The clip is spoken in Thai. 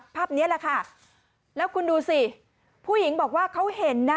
ภาพนี้แหละค่ะแล้วคุณดูสิผู้หญิงบอกว่าเขาเห็นนะ